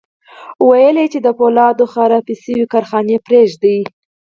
ويې ویل چې د پولادو خرابې شوې کارخانې پرېږدي